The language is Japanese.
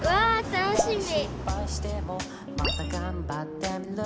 楽しみ。